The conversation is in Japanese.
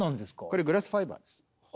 これグラスファイバーです。